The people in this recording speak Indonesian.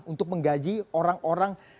untuk menggaji orang orang yang berpengaruh